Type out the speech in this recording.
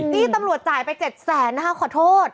ที่ตำรวจจ่ายไป๗แสนนะคะขอโทษ